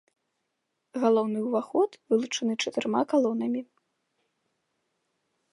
Галоўны ўваход вылучаны чатырма калонамі.